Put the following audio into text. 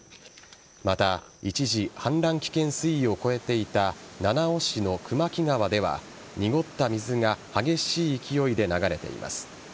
また、一時氾濫危険水位を超えていた七尾市の熊木川では濁った水が激しい勢いで流れています。